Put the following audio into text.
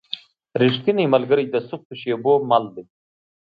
رښتینی ملګری د سختو شېبو مل وي.